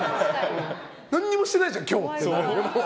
何にもしてないじゃん今日って。